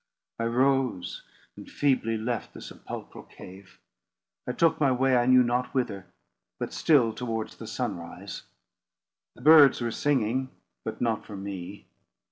I rose, and feebly left the sepulchral cave. I took my way I knew not whither, but still towards the sunrise. The birds were singing; but not for me.